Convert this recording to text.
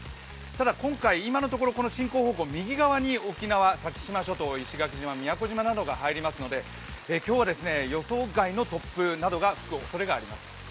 ただ今回今のところこの進行方向右側に沖縄、先島諸島宮古島などが入りますので今日は予想外の突風などが吹くおそれがあります。